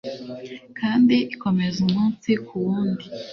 kandi ikomeza umunsi ku wundi